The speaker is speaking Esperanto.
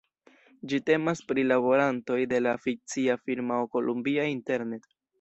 Ĝi temas pri laborantoj de la fikcia firmao Columbia Internet.